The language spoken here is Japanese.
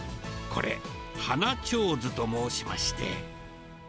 これ、花ちょうずと申しまして。